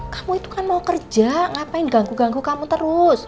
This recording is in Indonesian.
kamu itu kan mau kerja ngapain ganggu ganggu kamu terus